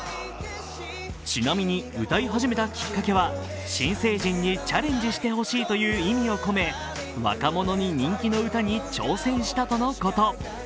ちなみに、歌い始めたきっかけは新成人にチャレンジしてほしいという意味を込め、若者に人気の歌に挑戦したとのこと。